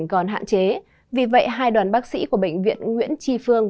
bạc liêu không chế vì vậy hai đoàn bác sĩ của bệnh viện nguyễn tri phương